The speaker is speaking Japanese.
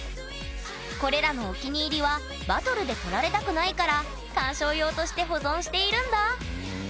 これらのお気に入りはバトルで取られたくないから観賞用として保存しているんだ。